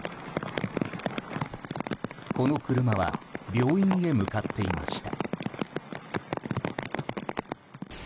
この車は病院へ向かっていました。